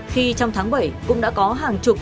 khi trong tháng bảy cũng đã có hàng chục